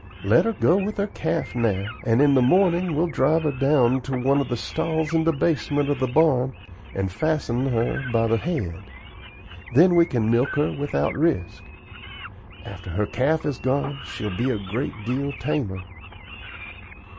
Let her go with her calf now, and in the morning we'll drive her down to one of the stalls in the basement of the barn and fasten her by the head. Then we can milk her without risk. After her calf is gone she'll be a great deal tamer."